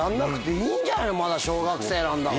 まだ小学生なんだから。